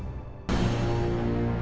terima kasih pak